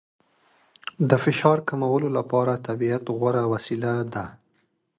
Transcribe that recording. د فشار کمولو لپاره طبیعت غوره وسیله ده.